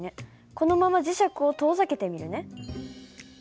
このまま磁石を遠ざけてみるね。